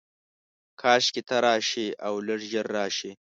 کاشکي ته راشې، اولږ ژر راشې